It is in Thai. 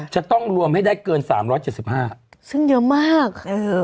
จะต้องรวมให้ได้เกิน๓๗๕ซึ่งเยอะมาก